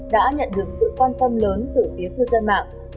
đã nhận được sự quan tâm lớn từ phía cư dân mạng